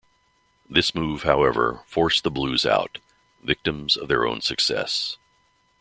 This move, however, forced the Blues out, victims of their own success.